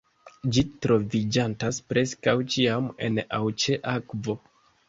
Ĝi troviĝantas preskaŭ ĉiam en aŭ ĉe akvo.